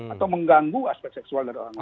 atau mengganggu aspek seksual dari orang lain